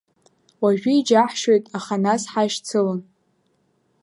Уажәы иџьаҳшьоит, аха нас ҳашьцылон.